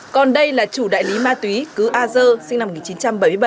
còn đây là chủ đại lý ma túy cứ a dơ sinh năm một nghìn chín trăm bảy mươi bảy